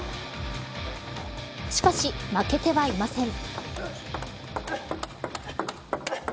しかし、負けてはいません。